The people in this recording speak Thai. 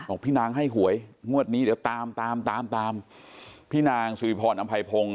พี่นางให้หวยงวดนี้เดี๋ยวตามตามตามตามพี่นางสุริพรอำภัยพงศ